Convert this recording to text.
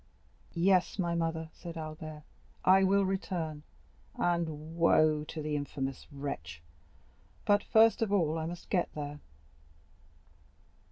'" "Yes, my mother," said Albert, "I will return, and woe to the infamous wretch! But first of all I must get there."